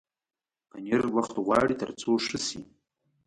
پنېر وخت غواړي تر څو ښه شي.